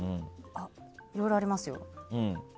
いろいろありますよ。